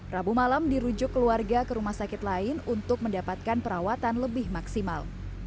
rabu malam dirujuk keluarga ke rumah sakit lain untuk mendapatkan perawatan lebih maksimal